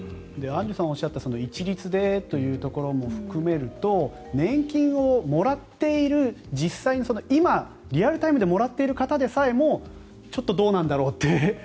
アンジュさんがおっしゃった一律でというところも含めると年金をもらっている実際に今、リアルタイムでもらっている方でさえもちょっとどうなんだろうって